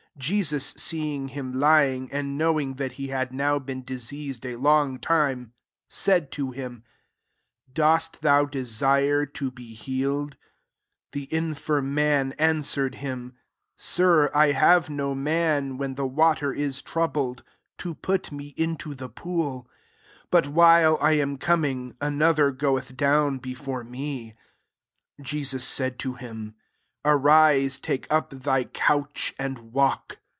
6 Jesus seeing him lying, and knowing that he had now been diseased a long time, said to him, " Dost thou desire to be healed?" 7 The infirm man answered him, *' Sir, I have no man, when the water is troubled, to put me into the pool : but while I am com ing, another goeth,4own before me." 8 Jesus said to him, ''Arise, take up thy couch, and walk."